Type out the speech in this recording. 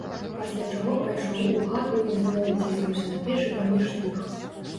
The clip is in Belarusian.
Пасля чаго пайшоў у хату і зноў уціснуўся на печы паміж тых.